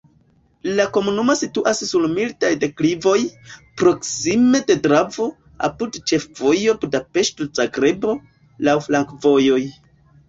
La komunumo situas sur mildaj deklivoj, proksime de Dravo, apud ĉefvojo Budapeŝto-Zagrebo, laŭ flankovojoj.